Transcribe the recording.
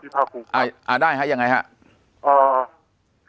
ได้ครับยังไงครับ